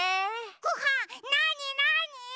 ごはんなになに？